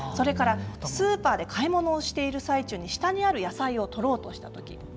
スーパーで買い物している最中下にある野菜を取ろうとした時。